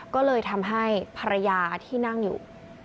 ก็เลยทำให้ภรรยาที่นั่งอยู่